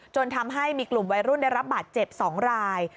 จนทำให้มีกลุ่มวัยรุ่นได้รับบาดเจ็บ๒ราย